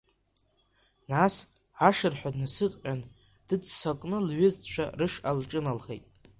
Нас, ашырҳәа днасыдҟьан, дыццакны лҩызцәа рышҟа лҿыналхеит.